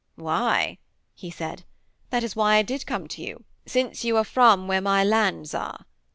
'Why,' he said, 'that is why I did come to you, since you are from where my lands are.